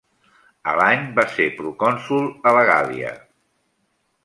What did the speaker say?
L'any va ser procònsol a la Gàl·lia.